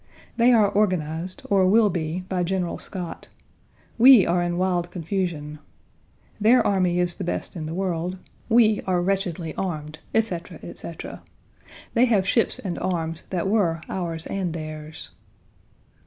They are organized, or will be, by General Scott. We are in wild confusion. Their army is the best in the world. We are wretchedly armed, etc., etc. They have ships and arms that were ours and theirs.